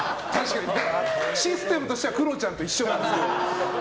システムとしてはクロちゃんと一緒なんですけど。